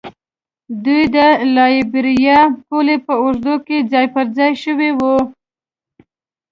دوی د لایبیریا پولې په اوږدو کې ځای پر ځای شوي وو.